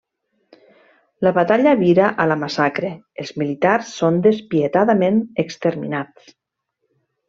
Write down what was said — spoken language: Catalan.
La batalla vira a la massacre: els militars són despietadament exterminats.